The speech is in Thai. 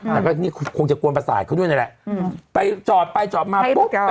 แต่ก็นี่คงจะกวนประสาทเขาด้วยนั่นแหละไปจอดไปจอดมาปุ๊บ